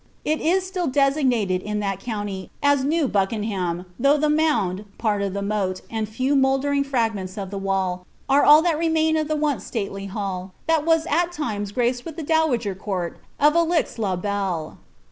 It is still designated ihat county, as JVTeto Buckenham, though the mound, part of the it, and a few mouldering fragments of the walls, are all Uiat remain he once stately ball, that was at times graced with the dowager rt oi Alix la Belle.